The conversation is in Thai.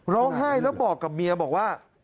ร้องไห้แล้วบอกกับเมียบอกว่า